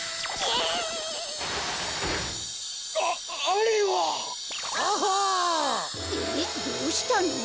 えっどうしたの？